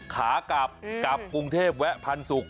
ขากลับกลับกรุงเทพแวะพันธุ